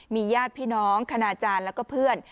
มีญาติพี่น้องคณาจารย์แล้วก็เพื่อน